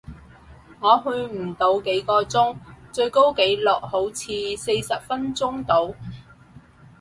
我去唔到幾個鐘，最高紀錄好似四十分鐘度